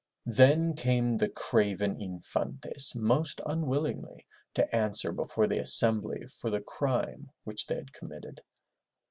Then came the craven Infantes, most unwillingly, to answer before the assembly for the crime which they had committed.